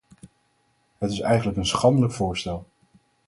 Het is eigenlijk een schandelijk voorstel.